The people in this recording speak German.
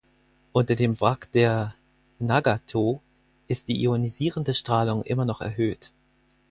Unter dem Wrack der "Nagato" ist die ionisierende Strahlung immer noch erhöht.